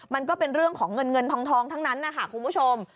มันก็เป็นเรื่องของเงินเงินทองทั้งนั้นนะคะคุณผู้ชม